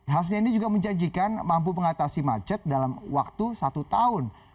hasnedi juga menjanjikan mampu mengatasi macet dalam waktu satu tahun